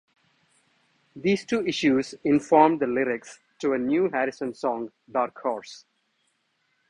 These two issues informed the lyrics to a new Harrison song, "Dark Horse".